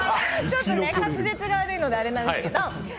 ちょっと滑舌が悪いのであれなんですけど。